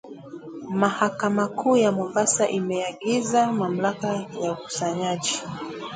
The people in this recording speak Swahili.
Mahakama kuu ya Mombasa imeiagiza mamlaka ya ukusanyaji